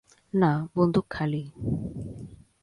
না, বন্দুক খালি।